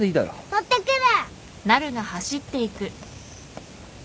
取ってくる！